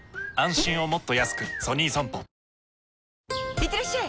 いってらっしゃい！